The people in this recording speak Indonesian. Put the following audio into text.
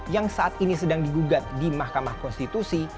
yang saat ini sedang digugat di mahkamah konstitusi